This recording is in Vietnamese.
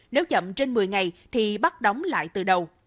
nếu chậm trên một mươi ngày thì bắt đóng lại từ đầu